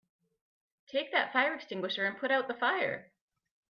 Take that fire extinguisher and put out the fire!